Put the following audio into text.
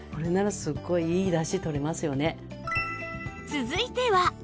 続いては